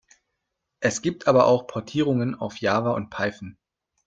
Es gibt aber auch Portierungen auf Java und Python.